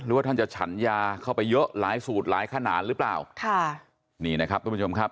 ว่าท่านจะฉันยาเข้าไปเยอะหลายสูตรหลายขนาดหรือเปล่าค่ะนี่นะครับทุกผู้ชมครับ